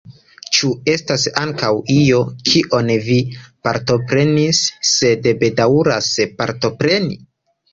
Ĉu estas ankaŭ io, kion vi partoprenis, sed bedaŭras partopreni?